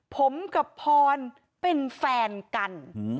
ผมกับพรเป็นแฟนกัน